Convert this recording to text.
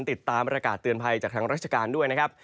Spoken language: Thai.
ติดตามประกาศเตือนภัยจากทางราชการด้วยนะครับ